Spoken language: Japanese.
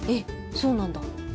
そうなんだ。